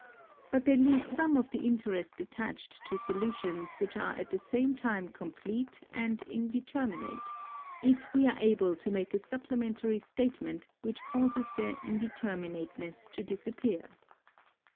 But they lose some of the interest attached to solutions which are at the same time complete and indeterminate, if we are able to make a supplementary statement which causes their indeterminateness to disappear.